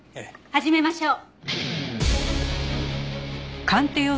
始めましょう。